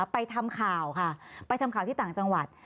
ไปทำข่าวค่ะไปทำข่าวที่ต่างจังหวัด